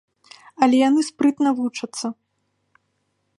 Але яны спрытна вучацца.